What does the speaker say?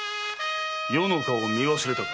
余の顔を見忘れたか？